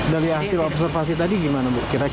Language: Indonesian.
dari hasil observasi tadi gimana bu